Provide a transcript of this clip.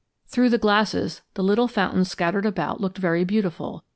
"Through the glasses, the little fountains scattered about looked very beautiful.